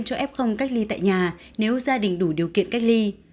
tính toán ưu tiên cho f cách ly tại nhà nếu gia đình đủ điều kiện cách ly